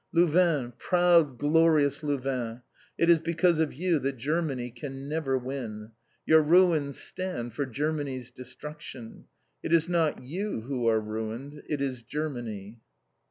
Louvain, proud glorious Louvain, it is because of you that Germany can never win. Your ruins stand for Germany's destruction. It is not you who are ruined. It is Germany!